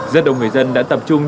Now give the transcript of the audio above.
rất đông người dân đã tập trung